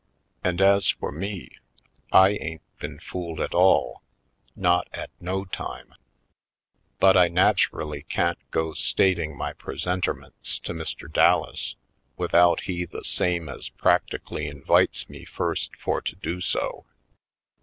And as for me, I ain't been fooled at all, not at no time. But I naturally can't go stating my presenterments to Mr. Dallas without he the same as practically invites me first for to do so.